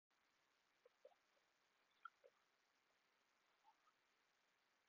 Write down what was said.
که تاسو فشار لرئ، لومړی ساه واخلئ.